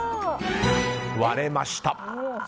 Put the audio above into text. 割れました。